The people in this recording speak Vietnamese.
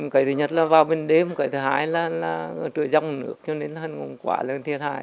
cái thứ nhất là vào bên đêm cái thứ hai là trời dòng nước cho nên là hẳn quả lên thiệt hại